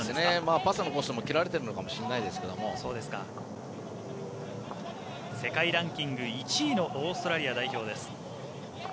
パスのコースも切られているのかもしれないですが世界ランキング１位のオーストラリア代表です。